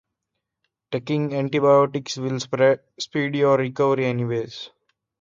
Taking antibiotics will speed your recovery anyway.